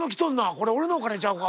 これ俺のお金ちゃうか？